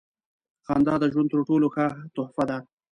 • خندا د ژوند تر ټولو ښه تحفه ده.